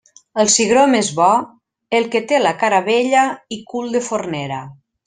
El cigró més bo, el que té la cara vella i cul de fornera.